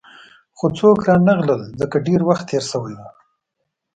خو څوک رانغلل، ځکه ډېر وخت تېر شوی وو.